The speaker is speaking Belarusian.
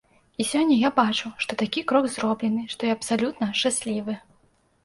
І сёння я бачу, што такі крок зроблены, што я абсалютна шчаслівы!